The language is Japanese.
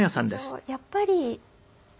やっぱり。